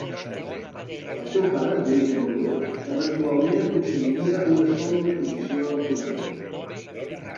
El seu pare, d'origen humil, eventualment aconseguiria una sòlida posició econòmica.